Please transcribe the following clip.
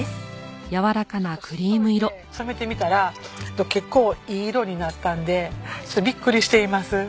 ちょっと七島藺で染めてみたら結構いい色になったんでちょっとびっくりしています。